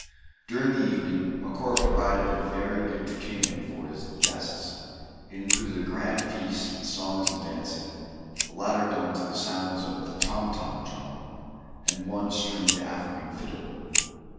During the evening, Macora provided a varied entertainment for his guests. It included a grand feast, with songs and dancing, the latter done to the sounds of the tom tom drum, and one stringed African fiddle.